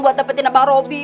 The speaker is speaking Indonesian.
buat nepetin abang robi